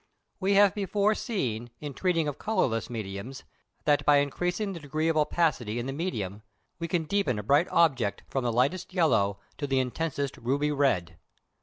We have before seen, in treating of colourless mediums, that by increasing the degree of opacity in the medium, we can deepen a bright object from the lightest yellow to the intensest ruby red.